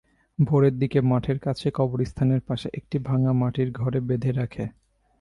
ভোরের দিকে মাঠের কাছে কবরস্থানের পাশে একটি ভাঙা মাটির ঘরে বেঁধে রাখে।